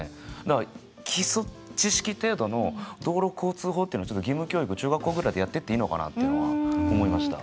基礎知識程度の道路交通法っていうのちょっと義務教育中学校ぐらいでやってっていいのかなってのは思いました。